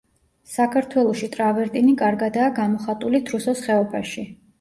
საქართველოში ტრავერტინი კარგადაა გამოხატული თრუსოს ხეობაში.